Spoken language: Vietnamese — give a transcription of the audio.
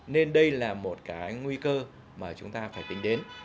nên đây là một cái nguy cơ mà chúng ta phải tính đến